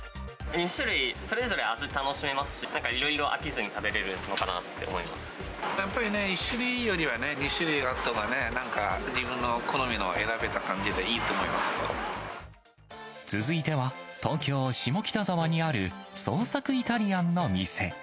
２種類それぞれ味、楽しめますし、いろいろ飽きずに食べられやっぱりね、１種類よりは２種類あったほうがね、なんか、自分の好みの選べた続いては、東京・下北沢にある創作イタリアンの店。